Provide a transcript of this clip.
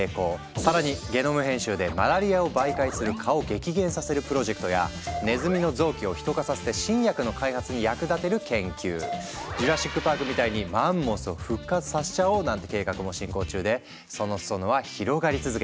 更にゲノム編集でマラリアを媒介する蚊を激減させるプロジェクトやネズミの臓器をヒト化させて新薬の開発に役立てる研究ジュラシック・パークみたいにマンモスを復活させちゃおうなんて計画も進行中でその裾野は広がり続けているんです。